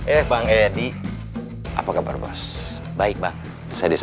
itu siapa namanya saya gak tau